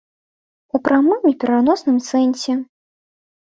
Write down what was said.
У прамым і пераносным сэнсе.